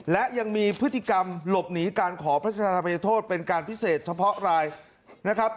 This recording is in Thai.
และยังมีพฤติกรรมหลบหนีการขอพระราชธานภัยโทษเป็นการพิเศษเฉพาะรายนะครับ